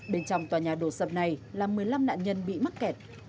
bên trong tòa nhà đổ sập này là một mươi năm nạn nhân bị mắc kẹt